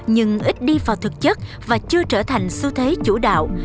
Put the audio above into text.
nhưng ít đi vào thực chất và chưa trở thành xu thế chủ đạo